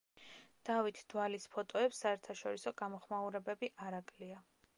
დავით დვალის ფოტოებს საერთაშორისო გამოხმაურებები არ აკლია.